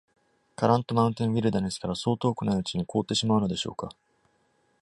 カラント・マウンテン・ウィルダネスからそう遠くないうちに凍ってしまうのでしょうか?